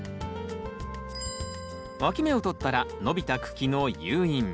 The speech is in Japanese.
わき芽をとったら伸びた茎の誘引。